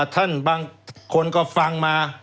ท่านบางคนก็ฟังมา